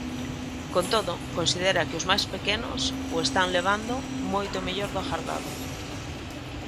Con todo, considera que os máis pequenos o están levando "moito mellor do agardado".